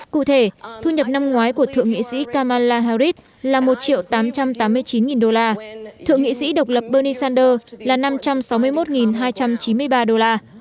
cụ thể thu nhập năm ngoái của thượng nghị sĩ kamala harris là một triệu tám trăm tám mươi chín đô la thượng nghị sĩ độc lập bernie sanders là năm trăm sáu mươi một hai trăm chín mươi ba đô la